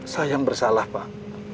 saya yang bersalah pak